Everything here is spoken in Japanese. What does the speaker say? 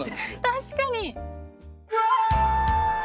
確かに。